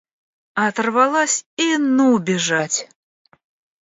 Оторвалась и ну бежать!